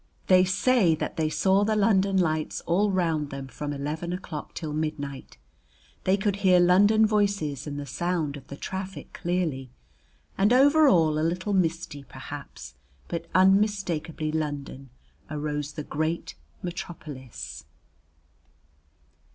They say that they saw the London lights all round them from eleven o'clock till midnight, they could hear London voices and the sound of the traffic clearly, and over all, a little misty perhaps, but unmistakably London, arose the great metropolis.